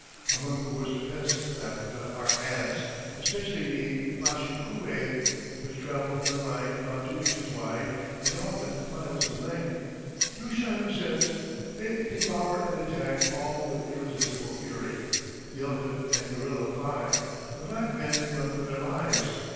Among the worst pests of Africa are ants, especially the bashikouay, which travel in a line about two inches wide and often miles in length. Du Chaillu says: "They devour and attack all with irresistible fury. The elephant and gorilla fly, the black men run for their lives.